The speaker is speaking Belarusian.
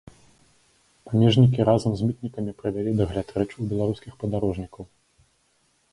Памежнікі разам з мытнікамі правялі дагляд рэчаў беларускіх падарожнікаў.